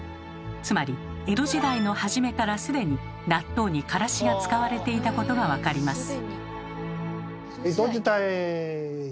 つまり江戸時代の初めから既に納豆にからしが使われていたことが分かります。